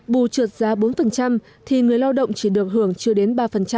bù trượt giá bốn thì người lao động chỉ được hưởng chưa đến ba